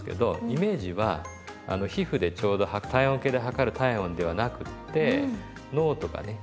イメージは皮膚でちょうど体温計で測る体温ではなくって脳とかね